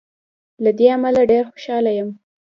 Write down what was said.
له دې امله ډېر خوشاله یم.